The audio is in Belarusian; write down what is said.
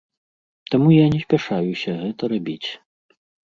Таму я не спяшаюся гэта рабіць.